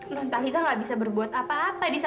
tuan teddy juga mencintai raka